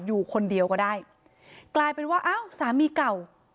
อยู่คนเดียวก็ได้กลายเป็นว่าอ้าวสามีเก่า